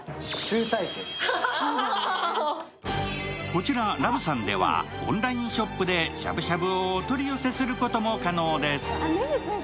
こちら羅豚さんではオンラインショップでしゃぶしゃぶをお取り寄せすることも可能です。